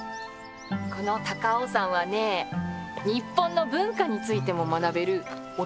この高尾山はね日本の文化についても学べるお得な場所なのよ！